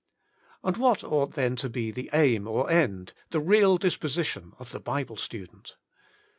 And what ought then to be the Aim or End, the real disposition of the Bible student?